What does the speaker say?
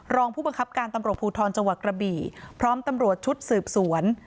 รองผู้บังคับการตำรวจภูทรจังหวัดกระบี่พร้อมตำรวจชุดสืบสวน